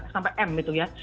sampai m itu ya